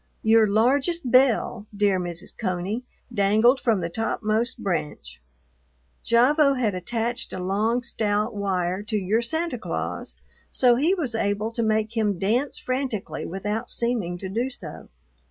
Your largest bell, dear Mrs. Coney, dangled from the topmost branch. Gavotte had attached a long, stout wire to your Santa Claus, so he was able to make him dance frantically without seeming to do so.